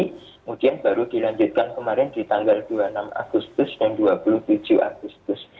kemudian baru dilanjutkan kemarin di tanggal dua puluh enam agustus dan dua puluh tujuh agustus